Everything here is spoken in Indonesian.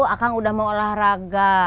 akang udah mau olahraga